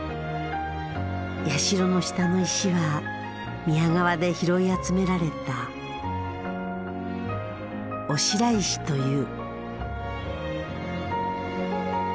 社の下の石は宮川で拾い集められたお白石という。